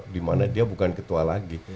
dimana dia bukan ketua lagi